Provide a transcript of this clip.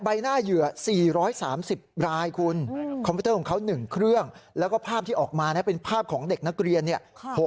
ใบหน้าเหยื่อ๔๓๐รายคุณคอมพิวเตอร์ของเขา๑เครื่องแล้วก็ภาพที่ออกมานะเป็นภาพของเด็กนักเรียนเนี่ย